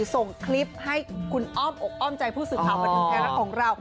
ส่งคลิปให้คุณอ้อมอกอ้อมใจผู้สื่อข่าวบันเทิงไทยรัฐของเรา